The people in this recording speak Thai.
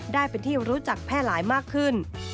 ได้เป็นที่รู้จักแพร่หลายมากขึ้น